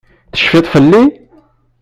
Tecfiḍ fell-i?